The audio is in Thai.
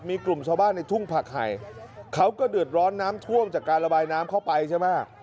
มีกลุ่มชาวบ้านในทุ่งผักไห่เขาก็เดือดร้อนน้ำท่วมจากการระบายน้ำเข้าไปใช่ไหม